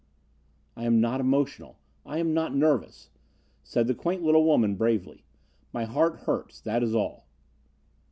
"I am not emotional. I am not nervous," said the quaint little woman, bravely. "My heart hurts, that is all.